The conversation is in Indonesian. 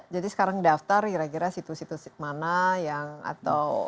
jadi sekarang daftar kira kira situs situs mana yang atau